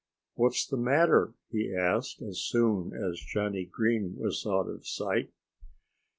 "What's the matter?" he asked, as soon as Johnnie Green was out of sight.